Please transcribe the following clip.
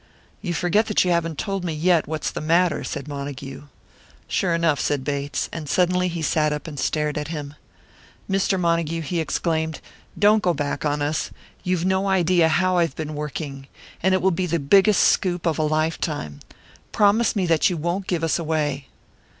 "You forget that you haven't told me yet what's the matter," said Montague. "Sure enough," said Bates. And suddenly he sat up and stared at him. "Mr. Montague," he exclaimed, "don't go back on us! You've no idea how I've been working and it will be the biggest scoop of a lifetime. Promise me that you won't give us away!"